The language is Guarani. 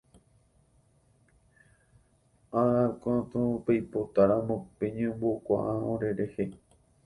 Ág̃akatu peipotáramo peñembo'ekuaa orerehe.